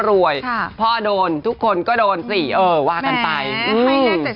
รวยค่ะพ่อโดนทุกคนก็โดนสิเออว่ากันไปแหมให้แรกแต่